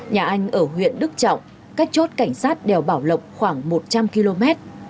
nhà anh ở huyện đức trọng cách chốt cảnh sát đèo bảo lộc khoảng một trăm linh km